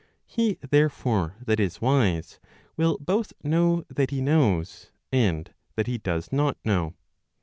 He therefore that is wise, will both know that he knows, and that he does not know.